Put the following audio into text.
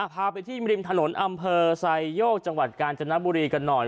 พาไปที่ริมถนนอำเภอไซโยกจังหวัดกาญจนบุรีกันหน่อย